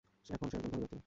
এখন সে একজন ধনী ব্যক্তি।